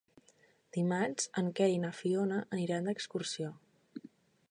Dimarts en Quer i na Fiona aniran d'excursió.